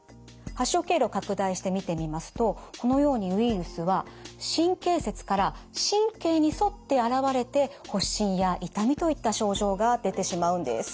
発症経路拡大して見てみますとこのようにウイルスは神経節から神経に沿って現れて発疹や痛みといった症状が出てしまうんです。